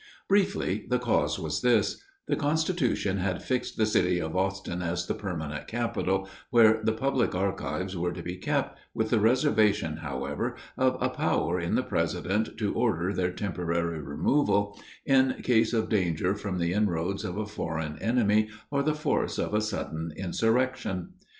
Briefly, the cause was this: The constitution had fixed the city of Austin as the permanent capital, where the public archives were to be kept, with the reservation, however, of a power in the president to order their temporary removal, in case of danger from the inroads of a foreign enemy, or the force of a sudden insurrection.